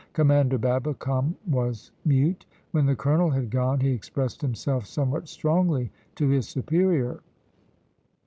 Commander Babbicome was mute. When the colonel had gone, he expressed himself somewhat strongly to his superior.